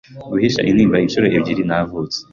guhisha intimba Inshuro ebyiri navutse